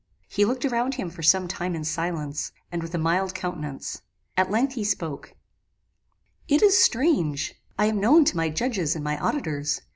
He looked around him for some time in silence, and with a mild countenance. At length he spoke: "It is strange; I am known to my judges and my auditors.